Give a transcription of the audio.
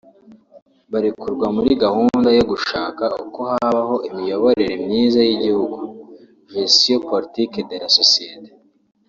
Barekurwa muri gahunda yo gushaka uko habaho imiyoborere myiza y’igihugu (gestion politique de la societe)